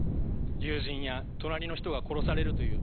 友人や隣の人が殺されるという